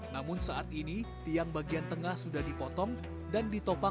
namun saat ini tiang bagian tengah sudah dipotong dan dipotong ke atap